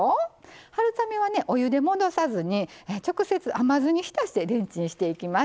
春雨は、お湯で戻さずに直接、甘酢に浸してレンチンしていきます。